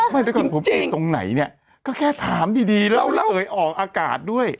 ไม่ด้วยก่อนผมอยู่ตรงไหนเนี่ยก็แค่ถามดีแล้วไม่เคยออกอากาศด้วย